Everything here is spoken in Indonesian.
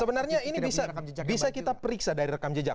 sebenarnya ini bisa kita periksa dari rekam jejak